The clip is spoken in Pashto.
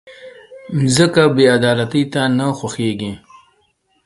مځکه بېعدالتۍ ته نه خوښېږي.